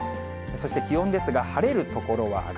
そして気温ですが、晴れる所は上